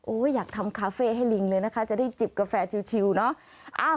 อยากทำคาเฟ่ให้ลิงเลยนะคะจะได้จิบกาแฟชิวเนอะ